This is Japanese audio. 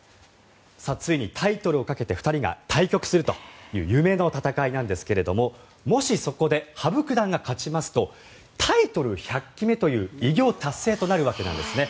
ついにタイトルを懸けて２人が対局をするという夢の戦いなんですがもし、そこで羽生九段が勝ちますとタイトル１００期目という偉業達成となるわけなんですね。